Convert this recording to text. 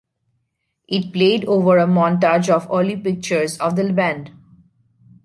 It played over a montage of early pictures of the band.